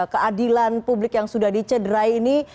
keadilan publik yang sudah dicederai ini